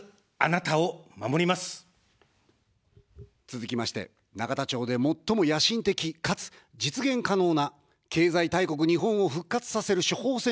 続きまして、永田町で最も野心的かつ実現可能な経済大国日本を復活させる処方箋を作った人。